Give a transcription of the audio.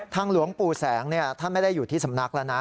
หลวงปู่แสงท่านไม่ได้อยู่ที่สำนักแล้วนะ